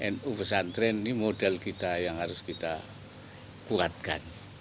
nu pesantren ini modal kita yang harus kita kuatkan